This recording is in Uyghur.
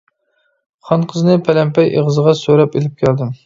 خانقىزنى پەلەمپەي ئېغىزىغا سۆرەپ ئېلىپ كەلدىم.